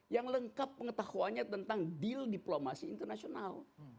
yang lengkap pengetahuannya tentang deal diplomasi internasional